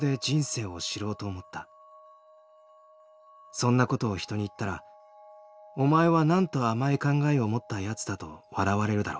そんなことを人に言ったらお前はなんと甘い考えを持ったやつだと笑われるだろう。